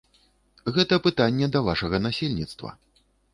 Гэта пытанне да вашага насельніцтва.